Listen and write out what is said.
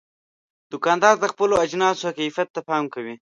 دوکاندار د خپلو اجناسو کیفیت ته پام کوي.